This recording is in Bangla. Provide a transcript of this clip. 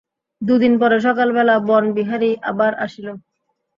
দুদিন পরে সকালবেলা বনবিহারী আবার আসিল।